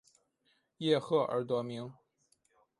叶赫而得名。